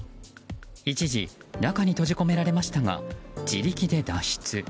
一時、中に閉じ込められましたが自力で脱出。